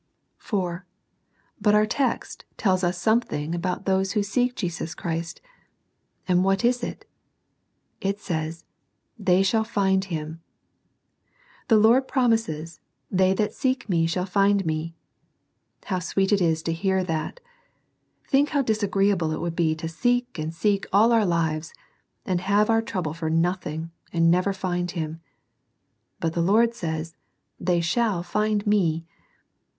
IV. But our text tells us something about those who seek Jesus Christ, and what is it ? It says they " shall find Him." The Lord promises " they that seek Me shall find Me." How sweet it is to hear that. Think how disagreeable it would be to seek and seek all our lives, and have our trouble for nothing, and never find Him. But the Lord says, "/>^ shall find J^."